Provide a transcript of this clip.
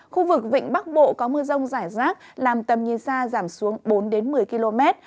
khu vực vịnh bắc bộ có mưa rông rải rác làm tầm nhìn xa giảm xuống bốn một mươi km